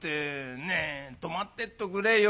ねえ泊まってっておくれよ。